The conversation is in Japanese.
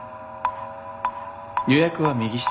予約は右下。